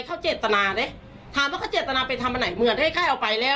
เขาเจตนาเลยถามว่าเขาเจตนาไปทำอันไหนเหมือนให้ค่ายเอาไปแล้ว